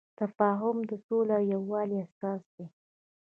تفاهم د سولې او یووالي اساس دی.